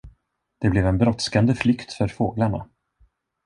Det blev en brådskande flykt för fåglarna.